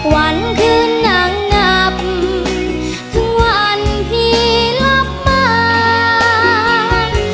วันคืนนับทวนพี่รับบาง